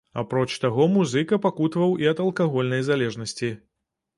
Апроч таго, музыка пакутаваў і ад алкагольнай залежнасці.